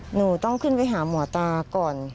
หนูต้องขึ้นไปหาหมอตาก่อน